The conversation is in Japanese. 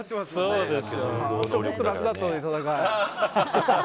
そうしたらもっと楽だったのに、戦い。